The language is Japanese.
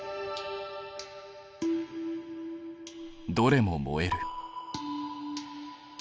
どれも燃える。